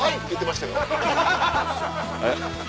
えっ？